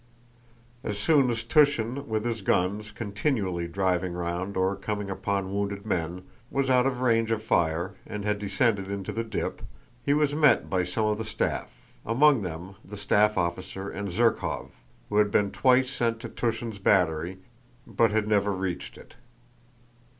As soon as Túshin with his guns, continually driving round or coming upon wounded men, was out of range of fire and had descended into the dip, he was met by some of the staff, among them the staff officer and Zherkóv, who had been twice sent to Túshin's battery but had never reached it.